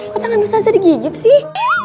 kok tangan ustazah digigit sih